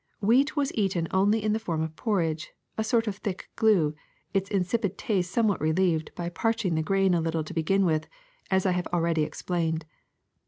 Wlieat was eaten only in the form of porridge, a sort of thick glue, its insipid taste somewhat relieved by parching the grain a little to begin with, as I have already explained.